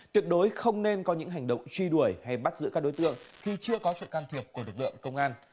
tuyệt đối không nên có những hành động truy đuổi hay bắt giữ các đối tượng khi chưa có sự can thiệp của lực lượng công an